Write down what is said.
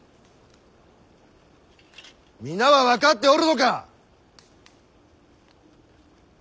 皆は分かっておるのか！